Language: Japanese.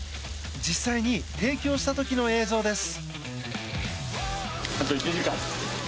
実際に提供した時の映像です。